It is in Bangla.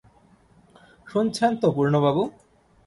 শুনছেন তো পূর্ণবাবু?